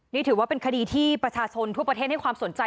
นี่ถือว่าเป็นคดีที่ประชาชนทั่วประเทศให้ความสนใจ